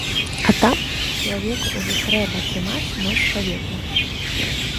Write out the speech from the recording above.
А там, чалавеку ўжо трэба трымаць нос па ветры.